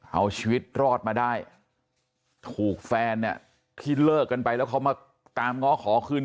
เอาชีวิตรอดมาได้ถูกแฟนที่เลิกกันไปแล้วเขามาตามง้อขอคืน